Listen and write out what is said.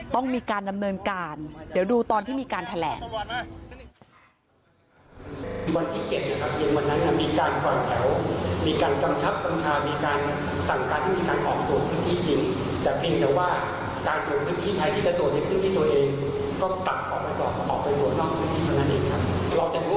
ต้องมีการดำเนินการเดี๋ยวดูตอนที่มีการแถลง